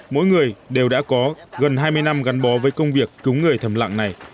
mỗi người đều đã có gần hai mươi năm gắn bó với công việc cứu người thầm lặng này